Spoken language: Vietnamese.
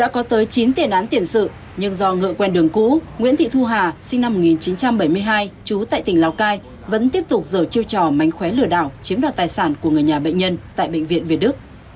có tới chín tiền án tiền sự nhưng do ngựa quen đường cũ nguyễn thị thu hà sinh năm một nghìn chín trăm bảy mươi hai trú tại tỉnh lào cai vẫn tiếp tục dở chiêu trò mánh khóe lừa đảo chiếm đoạt tài sản của người nhà bệnh nhân tại bệnh viện việt đức